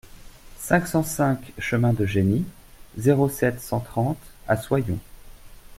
cinq cent cinq chemin de Geny, zéro sept, cent trente à Soyons